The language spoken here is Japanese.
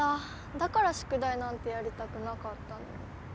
だからしゅくだいなんてやりたくなかったのに。